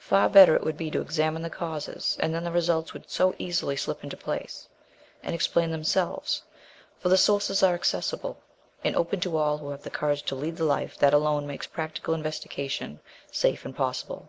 Far better, it would be, to examine the causes, and then the results would so easily slip into place and explain themselves. For the sources are accessible, and open to all who have the courage to lead the life that alone makes practical investigation safe and possible."